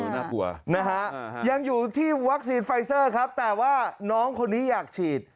น่ากลัวนะฮะยังอยู่ที่วัคซีนไฟเซอร์ครับแต่ว่าน้องคนนี้อยากฉีด